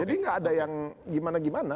jadi nggak ada yang gimana gimana